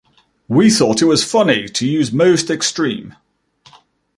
We thought it was funny to use Most Extreme.